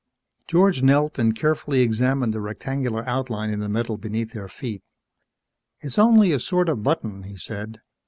George knelt and carefully examined the rectangular outline in the metal beneath their feet. "It's only a sort of button," he said.